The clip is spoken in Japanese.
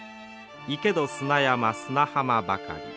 行けど砂山砂浜ばかり」。